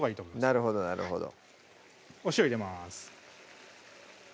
なるほどなるほどお塩入れます